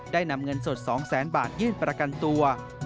ได้นำเงินสด๒๐๐๐๐๐บาทยื่นประกันตัว